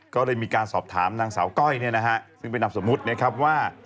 ก็เลยมีการสอบถามนางสาวก้อยเนี่ยนะฮะซึ่งเป็นนามสมมุตินะครับว่า